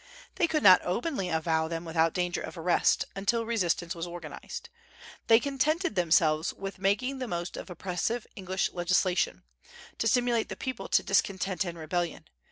They could not openly avow them without danger of arrest, until resistance was organized. They contented themselves with making the most of oppressive English legislation, to stimulate the people to discontent and rebellion.